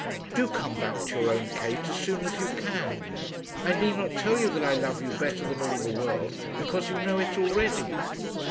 Do come back to your own Kate as soon as you can. I need not tell you that I love you better than all the world because you know it already.